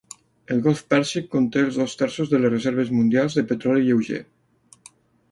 El golf Pèrsic conté els dos terços de les reserves mundials de petroli lleuger.